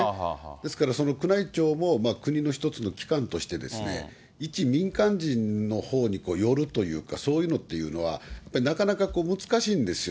ですから、その宮内庁も、国の１つの機関として、一民間人のほうに寄るというか、そういうのっていうのは、やっぱりなかなか難しいんですよ。